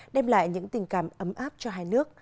đem lại những tình cảm ấm áp cho hai nước